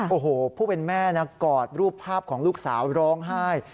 โอ้โหผู้เป็นแม่นะกอดรูปภาพของลูกสาวร้องไห้